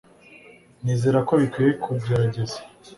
Nizera ko bikwiye kugerageza